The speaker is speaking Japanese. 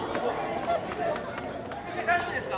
先生先生大丈夫ですか！？